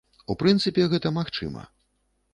У прынцыпе, гэта магчыма.